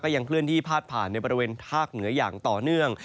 ยังเคลื่อนที่พาดผ่านในบริเวณภาคเหนืออย่างต่อเนื่อง